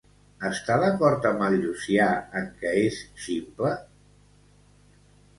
Està d'acord amb el Llucià en que és ximple?